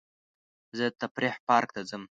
زه د تفریح پارک ته ځم.